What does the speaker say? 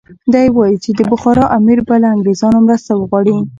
دی وایي چې د بخارا امیر به له انګریزانو مرسته وغواړي.